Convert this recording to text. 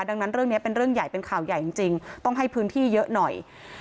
ดังนั้นเรื่องนี้เป็นเรื่องใหญ่เป็นข่าวใหญ่จริงต้องให้พื้นที่เยอะหน่อย